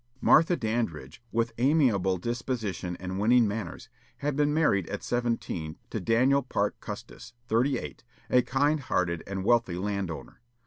Martha Dandridge, with amiable disposition and winning manners, had been married at seventeen to Daniel Parke Custis, thirty eight, a kind hearted and wealthy land owner.